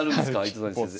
糸谷先生。